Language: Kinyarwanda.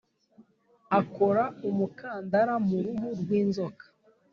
Akora umukandara muruhu rwinzoka